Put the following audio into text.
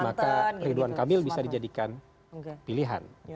maka ridwan kamil bisa dijadikan pilihan